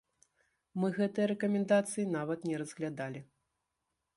Мы гэтыя рэкамендацыі нават не разглядалі.